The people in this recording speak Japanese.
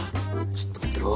ちっと待ってろ。